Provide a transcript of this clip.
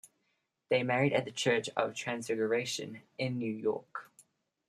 They married at the Church of the Transfiguration in New York.